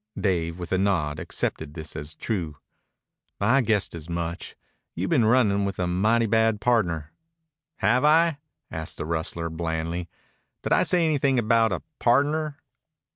Dave, with a nod, accepted this as true. "I guessed as much. You've been running with a mighty bad pardner." "Have I?" asked the rustler blandly. "Did I say anything about a pardner?"